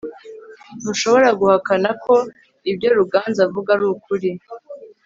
ntushobora guhakana ko ibyo ruganzu avuga ari ukuri